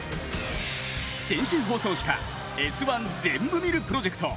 先週放送した「Ｓ☆１ぜんぶ見るプロジェクト」。